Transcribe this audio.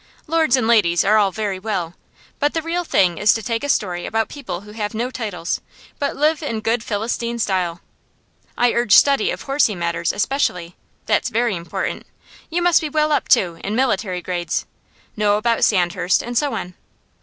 Lords and ladies are all very well, but the real thing to take is a story about people who have no titles, but live in good Philistine style. I urge study of horsey matters especially; that's very important. You must be well up, too, in military grades, know about Sandhurst, and so on.